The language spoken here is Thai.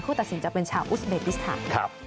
ผู้ตัดสินจะได้เป็นอุสบิตพิษฐาน